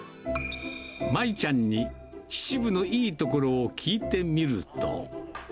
まゆちゃんに秩父のいいところを聞いてみると。